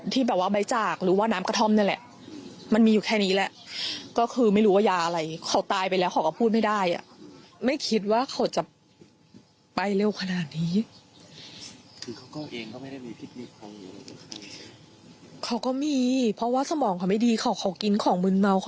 พี่ชายคนตายก็เล่านะคะว่าเมื่อตอนตีหนึ่ง